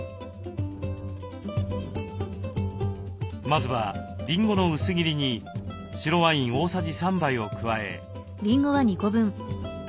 まずはりんごの薄切りに白ワイン大さじ３杯を加え。